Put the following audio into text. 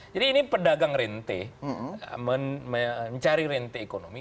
jadi ini pedagang rente mencari rente ekonomi